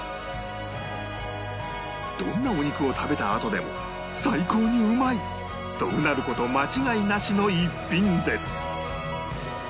どんなお肉を食べたあとでも最高にうまい！とうなる事間違いなしの逸品です